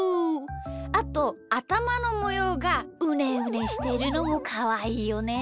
あとあたまのもようがうねうねしてるのもかわいいよね。